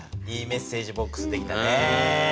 いいメッセージボックス出来たね。